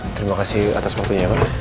terima kasih atas waktunya ya bapak